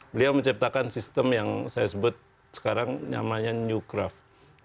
beliau menciptakan sistem yang saya sebut sekarang namanya newcraft